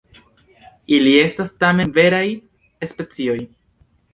Ili estas tamen veraj specioj.